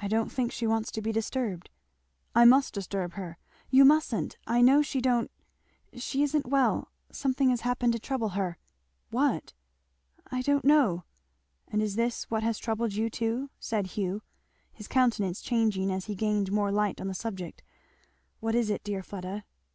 "I don't think she wants to be disturbed " "I must disturb her " "You musn't! I know she don't she isn't well something has happened to trouble her " "What?" "I don't know." "And is that what has troubled you too?" said Hugh, his countenance changing as he gained more light on the subject; "what is it, dear Fleda?"